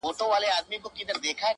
چي اوږدې نه کړي هیڅوک پښې له شړیو!.